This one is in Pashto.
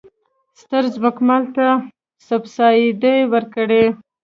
ستر ځمکوالو ته سبسایډي ورکړي.